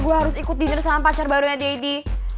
gue harus ikut diner sama pacar barunya daddy